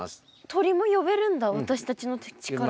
鳥も呼べるんだ私たちの力で？